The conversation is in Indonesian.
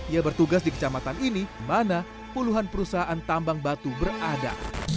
ia bertugas di kecamatan ini mana puluhan perusahaan tambang batu berada